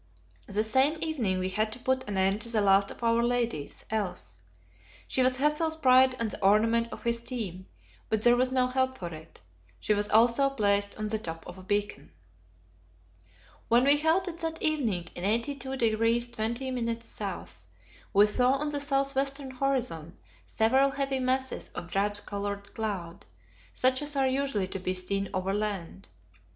The same evening we had to put an end to the last of our ladies Else. She was Hassel's pride and the ornament of his team; but there was no help for it. She was also placed at the top of a beacon. When we halted that evening in 82° 20' S., we saw on the south western horizon several heavy masses of drab coloured cloud, such as are usually to be seen over land.